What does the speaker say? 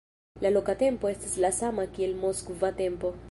La loka tempo estas la sama kiel moskva tempo.